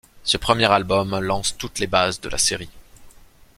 Ce premier album lance toutes les bases de la série.